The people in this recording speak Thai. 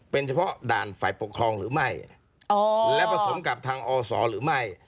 เป็นเฉพาะด่านฝ่ายปกครองหรือไม่และผสมกับทางอศหรือไม่